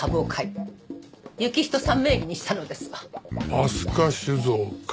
飛鳥酒造か。